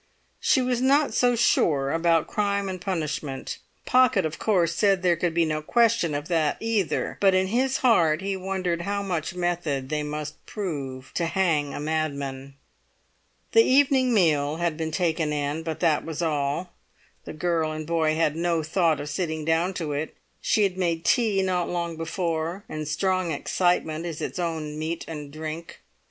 She was not so sure about crime and punishment. Pocket, of course, said there could be no question of that either; but in his heart he wondered how much method they must prove to hang a madman. The evening meal had been taken in, but that was all. The girl and boy had no thought of sitting down to it; she had made tea not long before; and strong excitement is its own meat and drink.